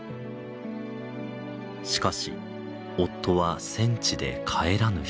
しかし夫は戦地で帰らぬ人に。